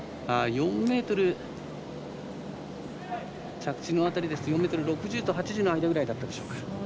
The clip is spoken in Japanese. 着地の辺りですと４ｍ６０と８０の間ぐらいでしたでしょうか。